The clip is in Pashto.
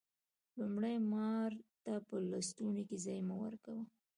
لومړی: مار ته په لستوڼي کی ځای مه ورکوه